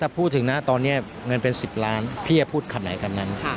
ถ้าพูดถึงนะตอนนี้เงินเป็น๑๐ล้านพี่จะพูดคำไหนคำนั้น